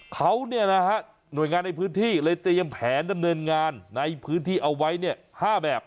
เขาเนี่ยนะฮะหน่วยงานในพื้นที่เลยเตรียมแผนดำเนินงานในพื้นที่เอาไว้๕แบบ